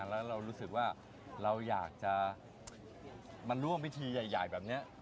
แล้วเรารู้สึกว่าเราอยากจะมาร่วมพิธีใหญ่แบบนี้